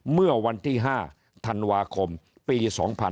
เมื่อวันที่๕ธันวาคมปี๒๕๖๒